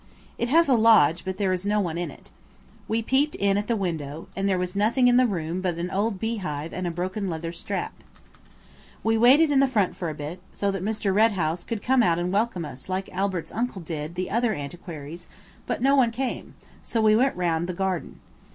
It has a lodge, but there is no one in it. We peeped in at the window, and there was nothing in the room but an old beehive and a broken leather strap. We waited in the front for a bit, so that Mr. Red House could come out and welcome us like Albert's uncle did the other antiquaries, but no one came, so we went round the garden.